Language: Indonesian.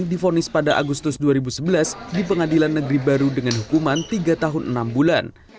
difonis pada agustus dua ribu sebelas di pengadilan negeri baru dengan hukuman tiga tahun enam bulan